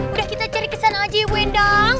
udah kita cari ke sana aja ya bu endang